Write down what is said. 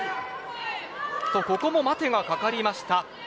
ここも待てがかかりました。